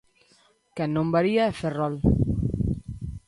Quen non varía é Ferrol.